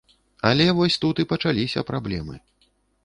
Але вось тут і пачаліся праблемы.